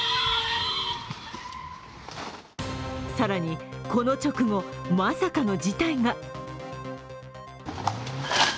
更に、この直後まさかの事態が。